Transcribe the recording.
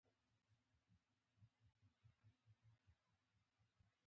ډېر خوشاله خلک هغه دي.